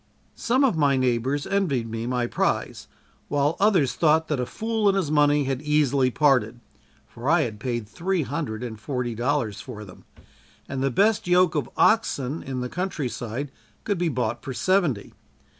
Some of my neighbors envied me my prize while others thought that a fool and his money had easily parted, for I had paid three hundred and forty dollars for them, and the best yoke of oxen in the country side could be bought for seventy.